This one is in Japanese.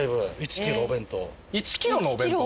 １ｋｇのお弁当？